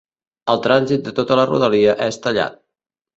El trànsit de tota la rodalia és tallat.